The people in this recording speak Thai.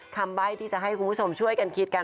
ใบ้ที่จะให้คุณผู้ชมช่วยกันคิดกัน